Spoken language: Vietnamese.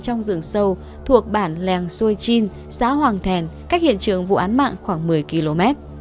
trong rừng sâu thuộc bản lèng xuôi chin xã hoàng thèn cách hiện trường vụ án mạng khoảng một mươi km